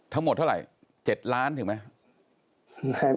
ทั้งหมดเท่าไหร่๗ล้านถึงไหม